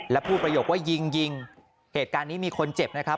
และพูดประโยคว่ายิงยิงเหตุการณ์นี้มีคนเจ็บนะครับ